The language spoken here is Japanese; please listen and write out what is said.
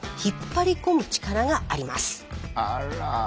あら。